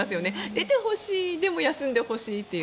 出てほしいでも休んでほしいっていう。